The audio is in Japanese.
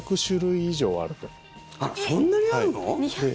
そんなにあるの？